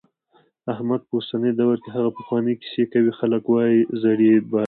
احمد په اوسني دور کې هغه پخوانۍ کیسې کوي، خلک وايي زړې بادوي.